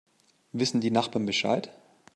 Wissen die Nachbarn Bescheid?